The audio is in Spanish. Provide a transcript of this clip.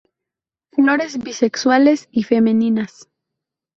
Flores bisexuales y femeninas.